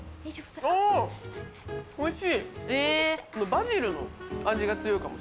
バジルの味が強いかもしれない。